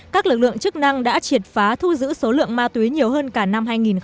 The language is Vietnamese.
các lực lượng chức năng đã triệt phá thu giữ số lượng ma túy nhiều hơn cả năm hai nghìn một mươi tám